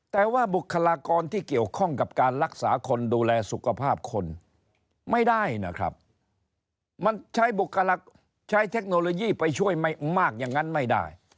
แต่ว่าบุคลากรที่เกี่ยวข้องกับการรักษาคนดูแลสุขภาพคนไม่ได้นะครับมันใช้เทคโนโลยีไปช่วยมากอย่างนั้นไม่ได้